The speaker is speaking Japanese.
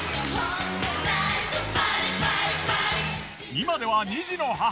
今では２児の母。